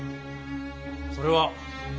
それは。